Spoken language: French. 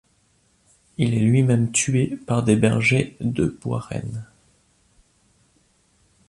Il est lui-même tué par les bergers de Boirenn.